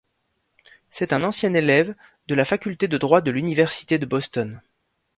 C'est un ancien élève de la faculté de droit de l'université de Boston.